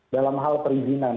dalam hal perizinan